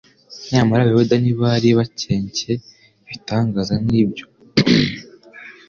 Nyamara abayuda ntibari bakencye ibitangaza nk'ibyo.